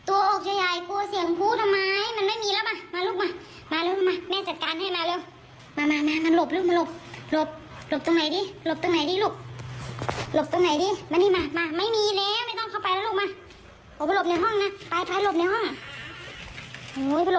โอ้โฮเห็นดูจังลูกโอ้โฮ